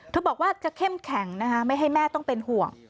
บอกว่าจะเข้มแข็งนะคะไม่ให้แม่ต้องเป็นห่วง